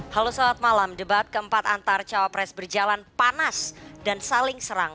halo selamat malam debat keempat antar cawapres berjalan panas dan saling serang